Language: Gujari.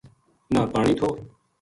نہ پانی تھو